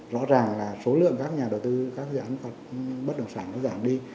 rõ ràng là số lượng các nhà đầu tư các dự án bất động sản nó giảm đi